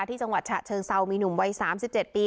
จังหวัดฉะเชิงเซามีหนุ่มวัย๓๗ปี